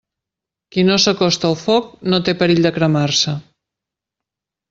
Qui no s'acosta al foc no té perill de cremar-se.